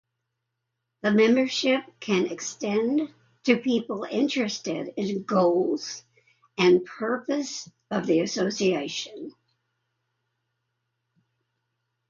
The membership can extend to people interested in goals and purpose of the Association.